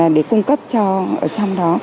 để cung cấp cho ở trong đó